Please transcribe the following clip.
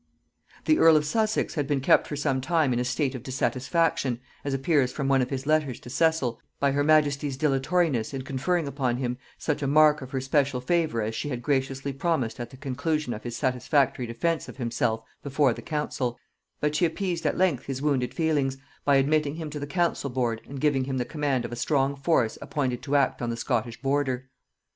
The earl of Sussex had been kept for some time in a state of dissatisfaction, as appears from one of his letters to Cecil, by her majesty's dilatoriness in conferring upon him such a mark of her special favor as she had graciously promised at the conclusion of his satisfactory defence of himself before the council; but she appeased at length his wounded feelings, by admitting him to the council board and giving him the command of a strong force appointed to act on the Scottish border.